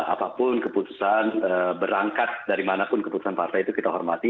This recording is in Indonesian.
apapun keputusan berangkat dari manapun keputusan partai itu kita hormati